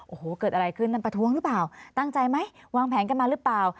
โอ้โหเกิดอะไรขึ้นนั่นประท้วงหรือเปล่าตั้งใจไหมวางแผนกันมาหรือเปล่า